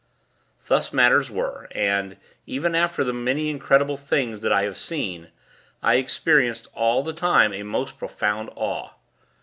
Thus matters were; and, even after the many incredible things that I have seen, I experienced all the time a most profound awe.